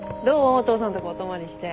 お父さんとこお泊まりして。